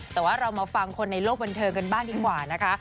แต่ว่าเรามาฟังคนในโลกบันเทิงกันบ้างดีกว่านะคะ